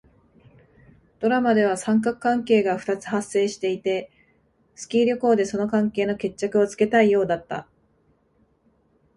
ドラマでは三角関係が二つ発生していて、スキー旅行でその関係の決着をつけたいようだった。